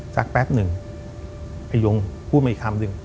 แป๊บหนึ่งพยงพูดมาอีกคำหนึ่ง